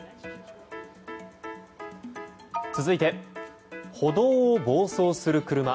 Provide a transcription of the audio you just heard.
続いて歩道を暴走する車。